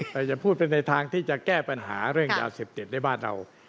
แต่จะพูดไปในทางที่จะแก้ปัญหาเรื่องยาเสพติดในบ้านเรา